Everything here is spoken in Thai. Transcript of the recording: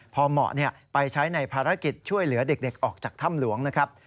พอเหมาะไปใช้ในภารกิจช่วยเหลือเด็กออกจากถ้ำหลวงนะครับ